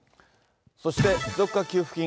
そして持続化給付金